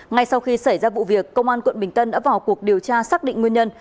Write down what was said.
ngay sau khi xảy ra vụ việc công an quận bình tân đã vào cuộc điều tra xác định nguyên nhân